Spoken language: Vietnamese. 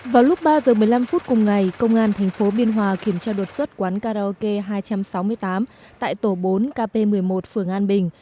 vào lúc ba giờ một mươi năm phút cùng ngày công an tp biên hòa kiểm tra đột xuất quán karaoke hai trăm sáu mươi tám tại tổ bốn kp một mươi một phường an bình